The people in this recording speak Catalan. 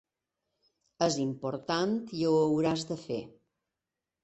Es important i ho hauràs de fer.